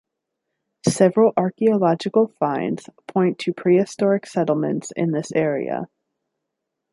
Several archaeological finds point to prehistoric settlements in this area.